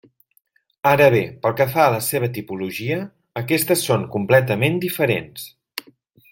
Ara bé pel que fa a la seva tipologia, aquestes són completament diferents.